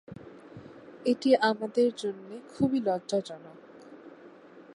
এটি আমাদের জন্যে খুবই লজ্জাজনক।